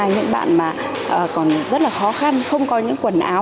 những bạn mà còn rất là khó khăn không có những quần áo